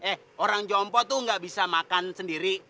eh orang jompo tuh gak bisa makan sendiri